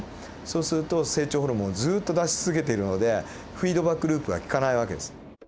そうすると成長ホルモンをずっと出し続けているのでフィードバックループがきかない訳です。